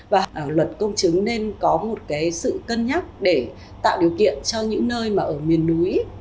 và luật công chứng nên có một cái sự cân nhắc để tạo điều kiện cho những nơi mà ở miền núi